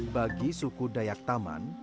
bagi suku dayak taman